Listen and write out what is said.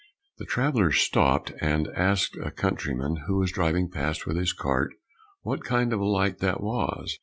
The travellers stopped and asked a countryman who was driving past with his cart, what kind of a light that was.